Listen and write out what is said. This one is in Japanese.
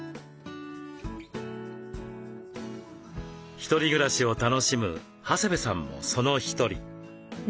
一人暮らしを楽しむ長谷部さんもその一人。